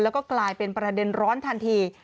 แล้วก็กลายเป็นประเด็นร้อนทันที